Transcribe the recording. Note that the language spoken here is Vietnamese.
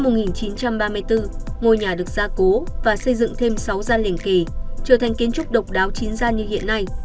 năm một nghìn chín trăm ba mươi bốn ngôi nhà được gia cố và xây dựng thêm sáu gian liên kỳ trở thành kiến trúc độc đáo chín gian như hiện nay